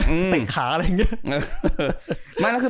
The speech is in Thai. เตะขาอะไรอย่างนี้